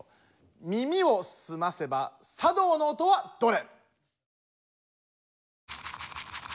耳をすませば茶道の音はどれ？